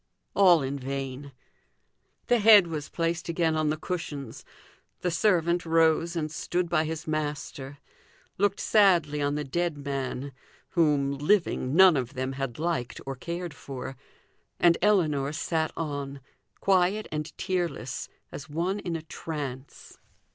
All in vain. The head was placed again on the cushions, the servant rose and stood by his master, looked sadly on the dead man, whom, living, none of them had liked or cared for, and Ellinor sat on, quiet and tearless, as one in a trance.